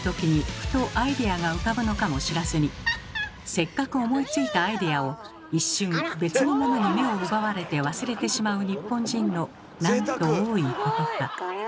せっかく思いついたアイデアを一瞬別のものに目を奪われて忘れてしまう日本人のなんと多いことか。